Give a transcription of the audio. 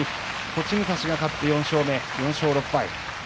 栃武蔵が勝って４勝目、４勝６敗。